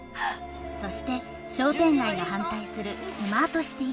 そして商店街が反対するスマートシティ計画。